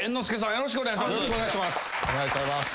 よろしくお願いします。